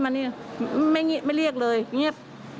ไม่เรียกเลยงีบ